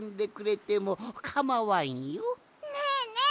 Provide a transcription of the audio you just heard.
ねえねえ